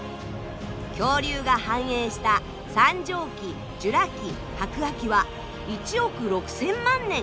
恐竜が繁栄した三畳紀ジュラ紀白亜紀は１億６，０００万年。